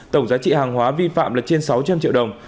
tổng giá trị hàng hóa vi phạm là trên sáu trăm linh triệu đồng